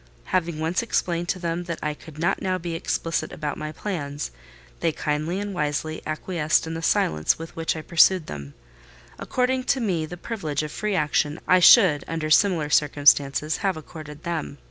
Having once explained to them that I could not now be explicit about my plans, they kindly and wisely acquiesced in the silence with which I pursued them, according to me the privilege of free action I should under similar circumstances have accorded them.